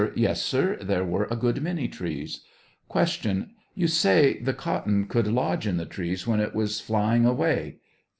Yes, sir, there were a good many trees. Q. You say the cotton could lodge in the trees when it was flying away